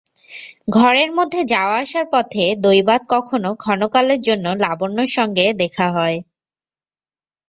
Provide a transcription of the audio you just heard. ঘরের মধ্যে যাওয়া-আসার পথে দৈবাৎ কখনো ক্ষণকালের জন্যে লাবণ্যর সঙ্গে দেখা হয়।